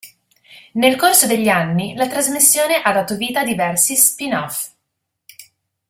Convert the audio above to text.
Nel corso degli anni la trasmissione ha dato vita a diversi spin-off.